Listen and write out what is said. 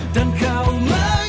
dan kau menghilang